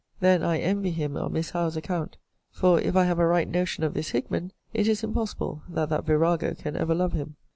Then I envy him on Miss Howe's account: for if I have a right notion of this Hickman, it is impossible that that virago can ever love him.